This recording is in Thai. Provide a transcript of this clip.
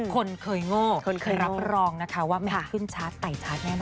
คนเคยโง่เคยรับรองนะคะว่ามันขึ้นชาร์จไต่ชาร์จแน่นอ